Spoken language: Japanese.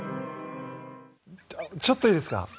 ちょっといいですか？